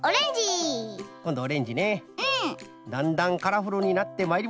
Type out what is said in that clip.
だんだんカラフルになってまいりました。